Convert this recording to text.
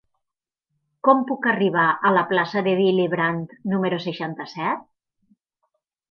Com puc arribar a la plaça de Willy Brandt número seixanta-set?